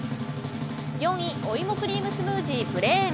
４位オイモクリームスムージープレーン。